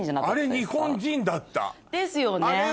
あれ日本人だった。ですよね。